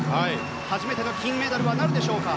初めての金メダルはなるでしょうか。